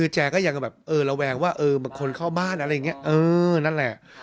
แจ๊ดก็อยากแบบระแวงว่าคนเข้าบ้านอะไรอย่างนี้นั่นแหละ